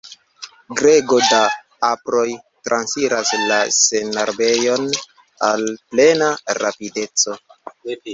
Grego da aproj transiras la senarbejon al plena rapideco.